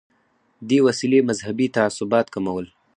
دې وسیلې مذهبي تعصبات کمول.